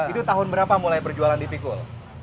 itu tahun berapa mulai berjualan di pikul